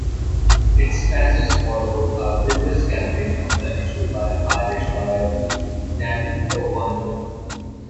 Its passage followed a vigorous campaign on the issue by Irish lawyer Daniel O'Connell.